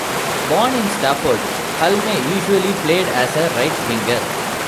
Born in Stafford, Hulme usually played as a right-Winger.